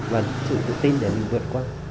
và sự tự tin để mình vượt qua